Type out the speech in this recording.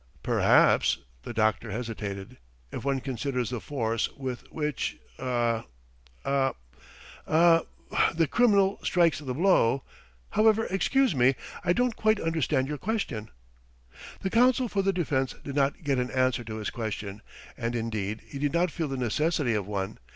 "Perhaps," the doctor hesitated, "if one considers the force with which ... er er er ... the criminal strikes the blow. ... However, excuse me, I don't quite understand your question. ..." The counsel for the defence did not get an answer to his question, and indeed he did not feel the necessity of one.